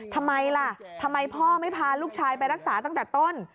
ทำไมล่ะทำไมพ่อไม่พาลูกชายไปรักษาตั้งแต่ต้น